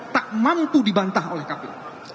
tak mampu dibantah oleh kpu